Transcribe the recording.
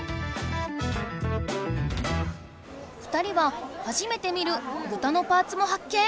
２人ははじめて見るぶたのパーツも発見！